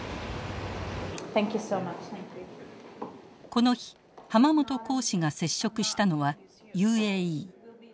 この日濱本公使が接触したのはＵＡＥ。